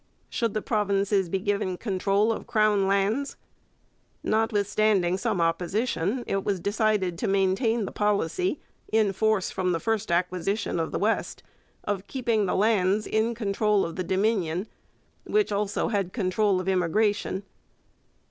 Should the provinces be given control of crown lands? Notwithstanding some opposition, it was decided to maintain the policy, in force from the first acquisition of the West, of keeping the lands in control of the Dominion, which also had control of immigration.